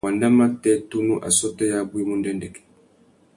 Wanda matê tunu assôtô yabú i mú ndêndêk.